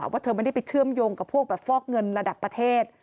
ว่าเธอไม่ได้ไปเชื่อมโยงกับพวกแบบฟอกเงินระดับประเทศ